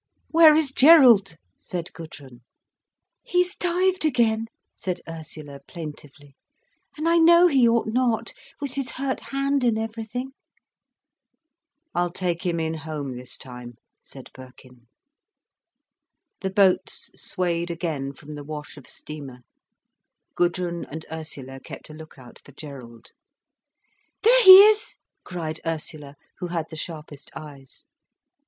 "Where is Gerald?" said Gudrun. "He's dived again," said Ursula plaintively. "And I know he ought not, with his hurt hand and everything." "I'll take him in home this time," said Birkin. The boats swayed again from the wash of steamer. Gudrun and Ursula kept a look out for Gerald. "There he is!" cried Ursula, who had the sharpest eyes.